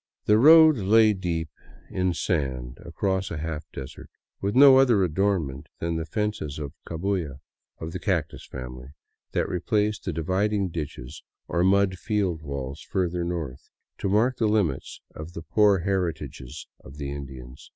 The road lay deep in sand across a half desert, with no other adornment than the fences of cahnya, of the cactus family, that replace the dividing ditches or mud field walls further north, to mark the limits of the poor heritages of the Indians.